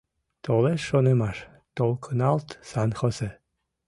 Толеш шонымаш, толкыналт — Сан-Хосе.